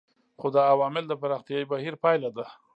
خو دا عوامل د پراختیايي بهیر پایله ده.